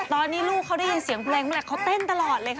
ตอนนี้ลูกเขาได้ยินเสียงเพลงเมื่อไหร่เขาเต้นตลอดเลยค่ะ